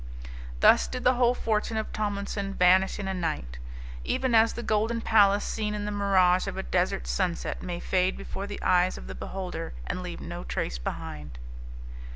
Thus did the whole fortune of Tomlinson vanish in a night, even as the golden palace seen in the mirage of a desert sunset may fade before the eyes of the beholder, and leave no trace behind.